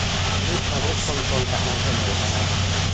วิทยุชุมชนจะนำเสนออะไร